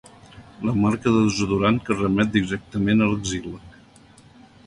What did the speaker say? La marca de desodorant que remet directament a l'axil·la.